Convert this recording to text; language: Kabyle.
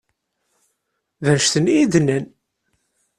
D annect-nni i yi-d-nnan.